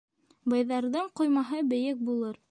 Байҙарҙың ҡоймаһы бейек булыр